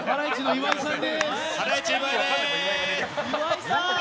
岩井さん！